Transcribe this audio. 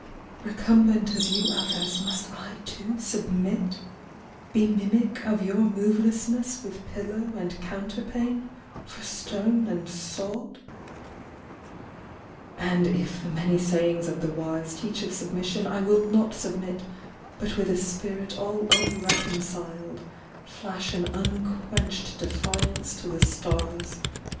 Recumbent as you others must I too Submit? Be mimic of your movelessness With pillow and counterpane for stone and sod? And if the many sayings of the wise Teach of submission I will not submit But with a spirit all unreconciled Flash an unquenched defiance to the stars.